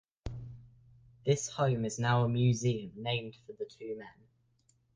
This home is now a museum named for the two men.